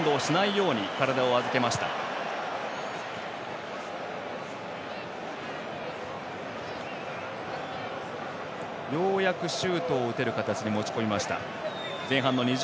ようやくシュートを打てる形に持ち込みました。